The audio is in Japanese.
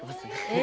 え！